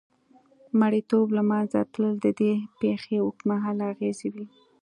مریتوب له منځه تلل د دې پېښې اوږدمهاله اغېزې وې.